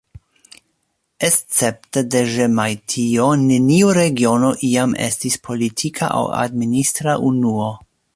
Escepte de Ĵemajtio neniu regiono iam estis politika aŭ administra unuo.